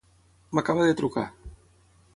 M'acaba de trucar.